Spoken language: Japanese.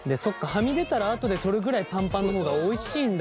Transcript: はみ出たらあとで取るぐらいパンパンの方がおいしいんだ。